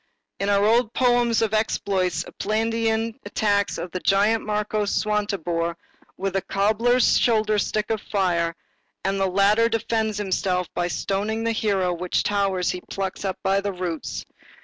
In our old poems of exploits, Esplandian attacks the giant marquis Swantibore with a cobbler's shoulder stick of fire, and the latter defends himself by stoning the hero with towers which he plucks up by the roots.